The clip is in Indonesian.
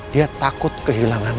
dia takut kehilangan mino